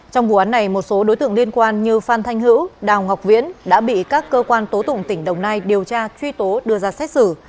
trong vụ án này một số đối tượng liên quan như phan thanh hữu đào ngọc viễn đã bị các cơ quan tố tụng tỉnh đồng nai điều tra truy tố đưa ra xét xử